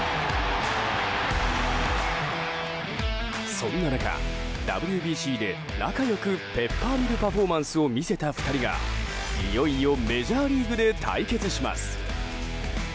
そんな中、ＷＢＣで仲良くペッパーミルパフォーマンスを見せた２人がいよいよメジャーリーグで対決します。